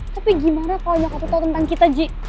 tapi gimana kalau nyokap tau tentang kita ji